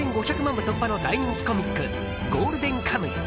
部突破の大人気コミック「ゴールデンカムイ」。